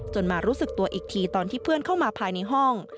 มารู้สึกตัวอีกทีตอนที่เพื่อนเข้ามาภายในห้อง